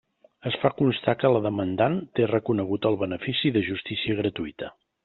Es fa constar que la demandant té reconegut el benefici de justícia gratuïta.